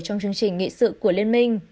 trong chương trình nghị sự của liên minh